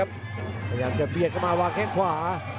พยายามจะเบียดเข้ามาวางแข้งขวา